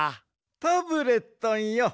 タブレットンよ。